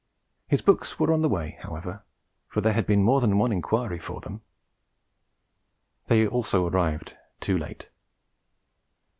His books were on the way, however, for there had been more than one inquiry for them. They also arrived too late.